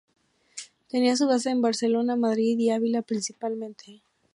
Tenía su base en Barcelona, Madrid y Ávila, principalmente.